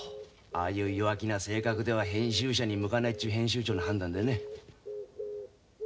ああいう弱気な性格では編集者に向かないっちゅう編集長の判断でね。